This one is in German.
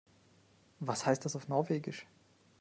Was heißt das auf Norwegisch?